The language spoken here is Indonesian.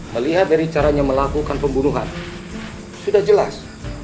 melihat dari caranya melakukan pembunuhan sudah jelas